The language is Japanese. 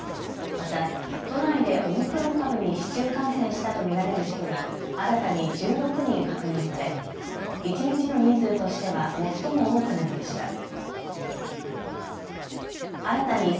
また、都内でオミクロン株に市中感染したと見られる人が新たに１６人確認され一日の人数としては最も多くなりました。